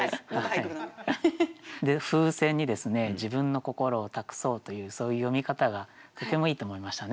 風船に自分の心を託そうというそういう詠み方がとてもいいと思いましたね。